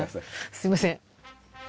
すいません。